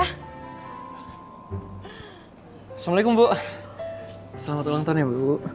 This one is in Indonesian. assalamualaikum bu selamat ulang tahun ya bu